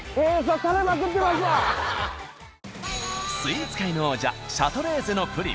スイーツ界の王者「シャトレーゼ」のプリン。